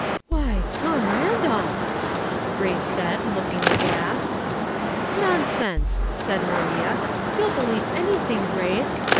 ""• Why, Tom Randolph !" Grace said, looking aghast. "Nonsense I" said Maria; "you'll believe anything^ Grace.